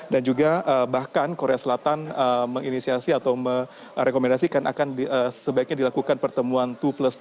dan juga bahkan korea selatan menginisiasi atau merekomendasikan akan sebaiknya dilakukan pertemuan dua plus dua